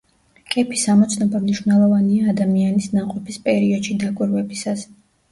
კეფის ამოცნობა მნიშვნელოვანია ადამიანის ნაყოფის პერიოდში დაკვირვებისას.